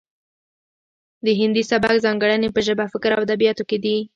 د هندي سبک ځانګړنې په ژبه فکر او ادبیاتو کې دي